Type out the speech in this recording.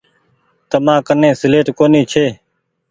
تمآ ڪني سيليٽ ڪونيٚ ڇي۔